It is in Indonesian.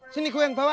sini gue yang bawa